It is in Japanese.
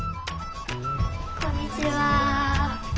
こんにちは。